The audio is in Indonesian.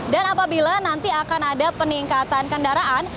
dan apabila nanti akan ada peningkatan kendaraan